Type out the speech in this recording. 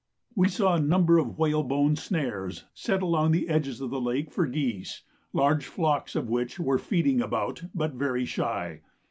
We saw a number of whalebone snares set along the edges of the lakes for geese, large flocks of which were feeding about, but very shy.